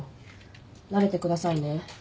慣れてくださいね。